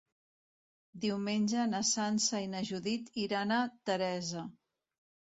Diumenge na Sança i na Judit iran a Teresa.